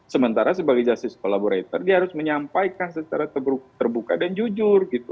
sementara sebagai justice collaborator dia harus menyampaikan secara terbuka dan jujur gitu